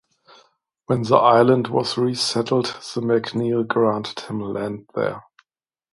When the island was re-settled The MacNeil granted him land there.